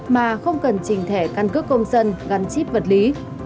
mà không cần trình thẻ căn cước công dân gắn chip vật lý